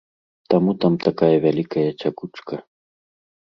Таму там такая вялікая цякучка.